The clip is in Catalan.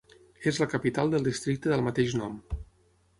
És la capital del districte del mateix nom.